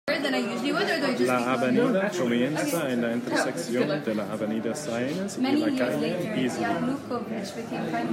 La avenida comienza en la intersección de la Avenida Sáenz y la calle "Beazley".